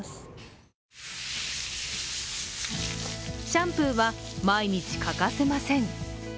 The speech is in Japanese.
シャンプーは毎日欠かせません。